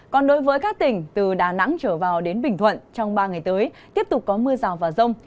còn đối với các tỉnh từ đà nẵng trở vào đến bình thuận trong ba ngày tới tiếp tục có mưa rào và rông